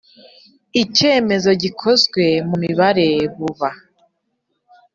icyemezo gikozwe mu mibare buba